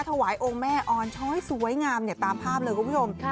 ถวายองค์แม่อ่อนช้อยสวยงามตามภาพเลยคุณผู้ชม